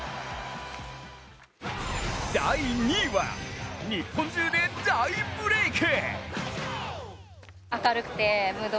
第２位は、日本中で大ブレイク。